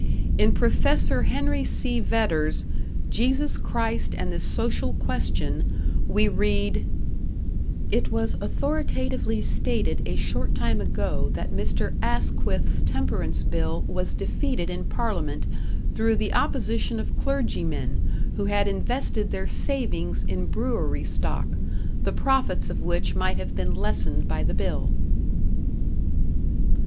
In Prof. Henry C. Vedder's "Jesus Christ and the Social Question," we read: It was authoritatively stated a short time ago that Mr. Asquith's temperance bill was defeated in Parliament through the opposition of clergymen who had invested their savings in brewery stock, the profits of which might have been lessened by the bill.